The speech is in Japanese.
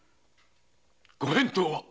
ご返答は？